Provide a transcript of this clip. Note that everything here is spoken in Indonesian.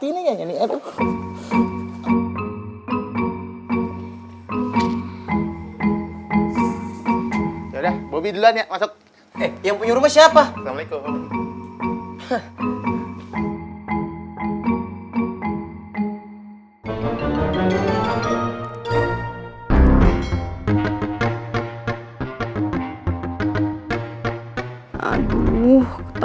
ih bonekanya lucu banget